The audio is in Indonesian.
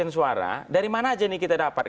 suara dari mana aja nih kita dapat